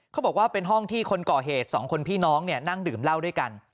เขาบอกว่าเป็นห้องที่คนก่อเหตุสองคนพี่น้องนั่งดื่มเหล้าด้วยกัน